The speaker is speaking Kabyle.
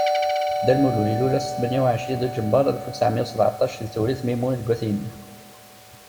Dda Lmulud ilul ass tmenya u ɛecrin Duǧember Alef u ttɛemya u sbaɛṭac di Tewrirt Mimun deg At Yanni.